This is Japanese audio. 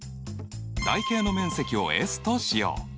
台形の面積をＳとしよう。